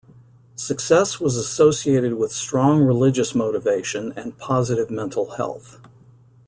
Success was associated with strong religious motivation and positive mental health.